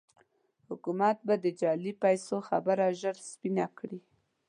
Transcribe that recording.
حکومت به د جعلي پيسو خبره ژر سپينه کړي.